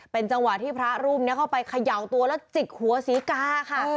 เป็นจังหวะที่พระรูปนี้เข้าไปเขย่าตัวแล้วจิกหัวศรีกาค่ะ